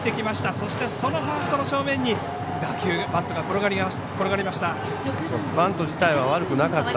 そして、そのファーストの正面が打球バントが転がりました。